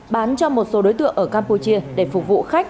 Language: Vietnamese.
bán cho một số đối tượng ở campuchia để phục vụ khách